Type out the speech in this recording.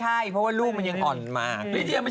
พี่ปุ้ยลูกโตแล้ว